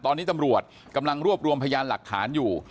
ตอนนี้ตำรวจกำลังรวบรวมพยานหลักฐานอยู่